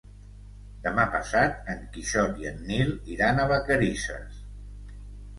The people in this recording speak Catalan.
Demà passat en Quixot i en Nil iran a Vacarisses.